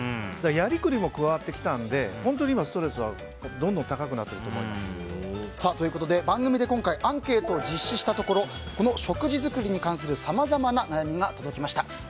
やりくりも加わってきてストレスがどんどんということで番組で今回アンケートを実施したところ食事作りに関するさまざまな悩みが届きました。